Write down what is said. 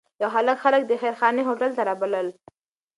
یو هلک خلک د خیرخانې هوټل ته رابلل.